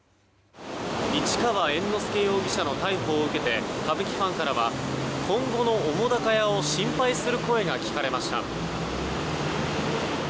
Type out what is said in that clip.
市川猿之助容疑者の逮捕を受けて歌舞伎ファンからは今後の澤瀉屋を心配する声が聞かれました。